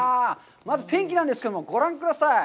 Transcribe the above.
まず天気なんですけれども、ご覧ください。